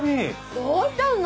どうしたの？